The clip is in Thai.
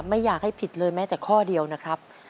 ไม่อยากให้ผิดเลยแม้แต่ข้อเดียวนะครับ